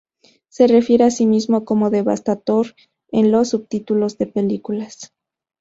Se refiere a sí mismo como Devastator en los subtítulos de películas.